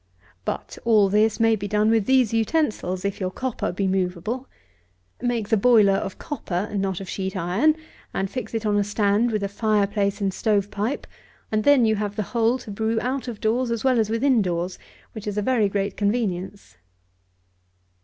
But all this may be done with these utensils, if your copper be moveable. Make the boiler of copper, and not of sheet iron, and fix it on a stand with a fire place and stove pipe; and then you have the whole to brew out of doors with as well as in doors, which is a very great convenience.